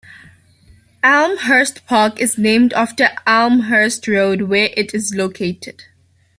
Elmhurst Park is named after Elmhurst Road, where it is located.